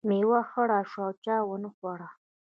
میوه یې خره شوه او چا ونه خوړه.